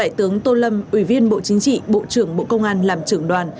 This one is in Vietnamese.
đại tướng tô lâm ủy viên bộ chính trị bộ trưởng bộ công an làm trưởng đoàn